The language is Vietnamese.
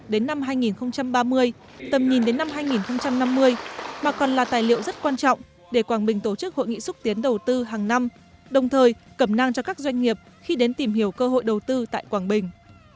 đến năm hai nghìn ba mươi tầm nhìn đến năm hai nghìn năm mươi mà còn là tài liệu rất quan trọng để quảng bình tổ chức hội nghị xúc tiến đầu tư hàng năm đồng thời cẩm năng cho các doanh nghiệp khi đến tìm hiểu cơ hội đầu tư tại quảng bình